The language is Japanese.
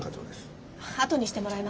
後にしてもらえますか。